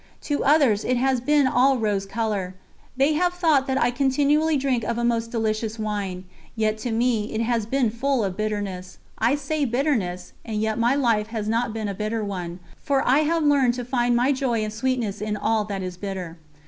To others it has been all rose colour; they have thought that I continually drank of a most delicious wine; yet to me it has been full of bitterness. I say bitterness, and yet my life has not been a bitter one, for I have learned to find my joy and sweetness in all that is bitter."